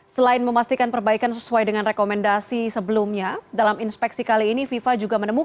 selain memastikan perbaikan sesuai dengan rekomendasi sebelumnya dalam inspeksi kali ini fifa juga menemukan